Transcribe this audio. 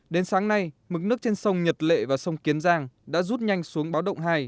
đến sáng nay mực nước trên sông nhật lệ và sông kiến giang đã rút nhanh xuống báo động hai